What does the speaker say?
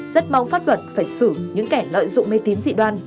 rất mong pháp luật phải xử những kẻ lợi dụng mê tín dị đoan